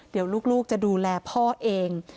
เดี๋ยวลูกจะดูแลพ่อเอง